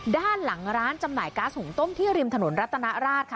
ด้านหลังร้านจำหน่ายก๊าซหุงต้มที่ริมถนนรัตนราชค่ะ